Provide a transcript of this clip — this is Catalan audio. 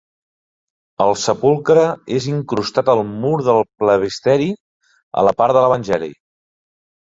El sepulcre és incrustat al mur del presbiteri, a la part de l'Evangeli.